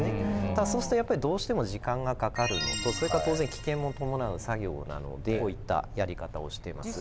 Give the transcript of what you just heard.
ただそうするとやっぱりどうしても時間がかかるのとそれから当然危険も伴う作業なのでこういったやり方をしてます。